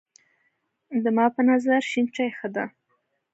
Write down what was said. د‌کانونو او انرژۍ د حالت څېړنه